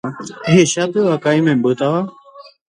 Ehecha pe vaka imembýtava.